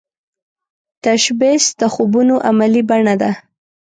تشبث د خوبونو عملې بڼه ده